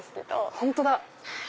本当だ！